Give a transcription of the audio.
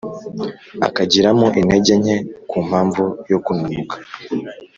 akagiramo intege nke ku mpamvu yo kunanuka,